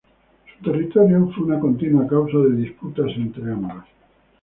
Su territorio fue una continua causa de disputas entre ambas.